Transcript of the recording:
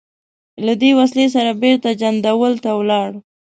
له دې وسلې سره بېرته جندول ته ولاړ.